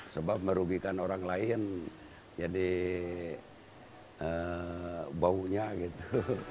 sebab merugikan orang lain jadi baunya gitu